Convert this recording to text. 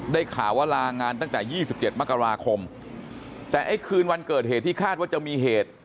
ข่าวว่าลางานตั้งแต่๒๗มกราคมแต่ไอ้คืนวันเกิดเหตุที่คาดว่าจะมีเหตุ